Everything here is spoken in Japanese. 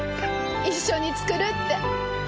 一緒に作るって。